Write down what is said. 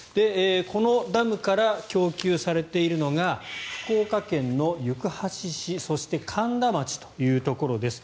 このダムから供給されているのが福岡県の行橋市そして苅田町というところです。